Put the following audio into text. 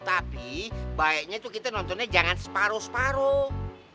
tapi baiknya itu kita nontonnya jangan separuh separuh